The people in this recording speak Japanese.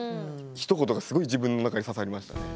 ひと言がすごい自分の中に刺さりましたね。